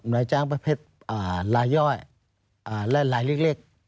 นายจ้างประเภทรายย่อยและรายเล็ก